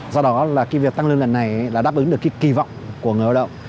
do đó là cái việc tăng lương lần này là đáp ứng được cái kỳ vọng của người lao động